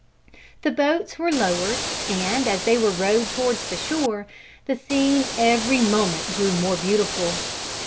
The boats were lowered, and, as they were rowed towards the shore, the scene every moment grew more beautiful.